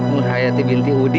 nurhayati binti uddin